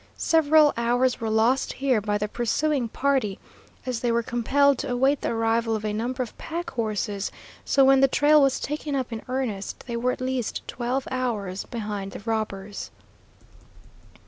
Several hours were lost here by the pursuing party, as they were compelled to await the arrival of a number of pack horses; so when the trail was taken up in earnest they were at least twelve hours behind the robbers.